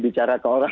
bicara ke orang